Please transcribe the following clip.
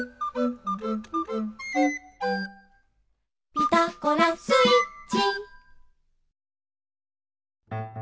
「ピタゴラスイッチ」